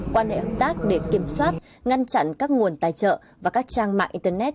quan hệ hợp tác để kiểm soát ngăn chặn các nguồn tài trợ và các trang mạng internet